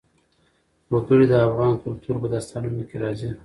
وګړي د افغان کلتور په داستانونو کې راځي.